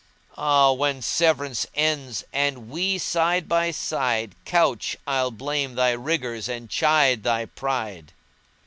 Ah, when severance ends and we side by side * Couch, I'll blame thy rigours and chide thy pride!"